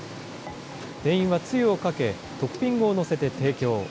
店員はつゆをかけ、トッピングを載せて提供。